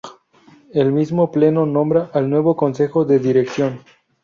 El mismo pleno nombra al nuevo Consejo de Dirección.